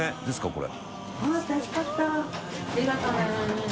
これ。